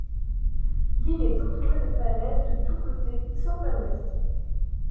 L'île est entourée de falaises de tous côtés, sauf à l'ouest.